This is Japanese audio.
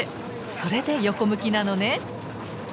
それで横向きなのね！